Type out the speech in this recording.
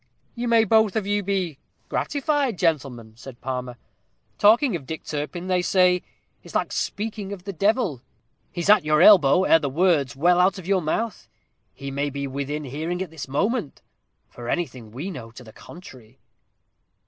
"You may both of you be gratified, gentlemen," said Palmer. "Talking of Dick Turpin, they say, is like speaking of the devil, he's at your elbow ere the word's well out of your mouth. He may be within hearing at this moment, for anything we know to the contrary."